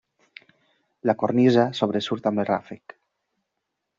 La cornisa sobresurt amb ràfec.